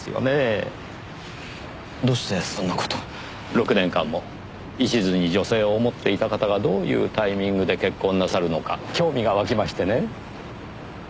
６年間も一途に女性を思っていた方がどういうタイミングで結婚なさるのか興味がわきましてね。